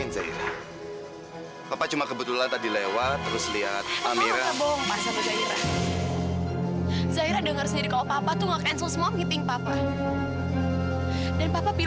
sampai jumpa di video selanjutnya